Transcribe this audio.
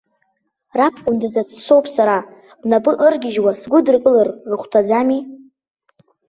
Рабхәындазаҵә соуп сара, рнапы ыргьежьуа сгәыдыркылар рыхәҭаӡами?